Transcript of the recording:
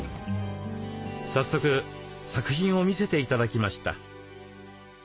早速作品を見せて頂きました。